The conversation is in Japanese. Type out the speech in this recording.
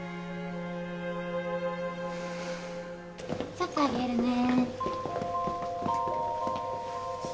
ちょっと上げるね。